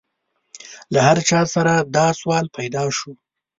له هر چا سره دا سوال پیدا شو.